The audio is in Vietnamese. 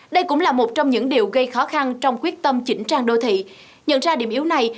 đây cũng là một trong những điều gây khó khăn trong quyết tâm chỉnh trang đô thị nhận ra điểm yếu này